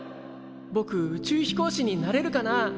ぼく宇宙飛行士になれるかな？